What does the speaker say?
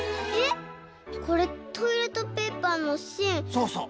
そうそう。